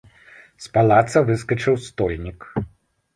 З палаца выскачыў стольнік.